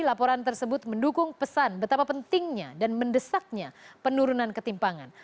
laporan tersebut mendukung pesan betapa pentingnya dan mendesaknya penurunan ketimpangan